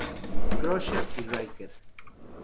Crusher y Riker.